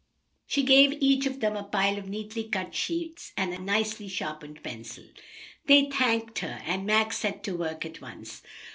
She gave each of them a pile of neatly cut sheets and a nicely sharpened pencil. They thanked her, and Max set to work at once.